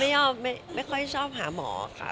ไม่ยอมไม่ค่อยชอบหาหมอค่ะ